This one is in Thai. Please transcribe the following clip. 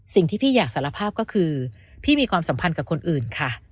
สิ่งที่พี่อยากสารภาพก็คือพี่มีความสัมพันธ์กับคนอื่นค่ะ